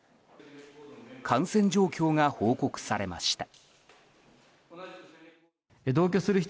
感染状況が報告されました。